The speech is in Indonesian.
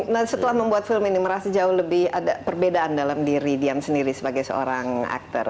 nah setelah membuat film ini merasa jauh lebih ada perbedaan dalam diri dian sendiri sebagai seorang aktor